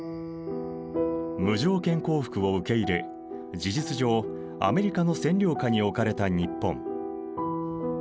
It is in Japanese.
無条件降伏を受け入れ事実上アメリカの占領下におかれた日本。